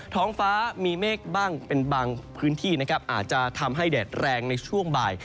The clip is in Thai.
ท้องฟ้ามีเมฆบ้างเป็นบางพื้นที่นะครับอาจจะทำให้แดดแรงในช่วงบ่าย